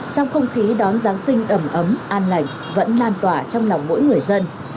sao không khí đón giáng sinh ẩm ấm an lành vẫn lan tỏa trong lòng mỗi người dân